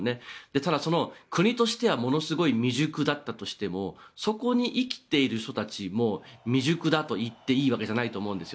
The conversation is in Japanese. ただ、その国としてはものすごく未熟だったとしてもそこに生きている人たちも未熟だと言っていいわけじゃないと思うんですよ。